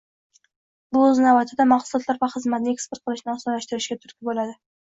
bu oʻz navbatida mahsulotlar va xizmatni eksport qilishni osonlashishiga turtki boʻladi.